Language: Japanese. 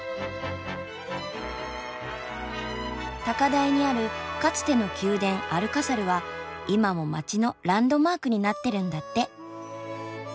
高台にあるかつての宮殿アルカサルは今も街のランドマークになってるんだって。